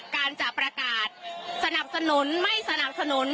การจะประกาศสนับสนุนไม่สนับสนุน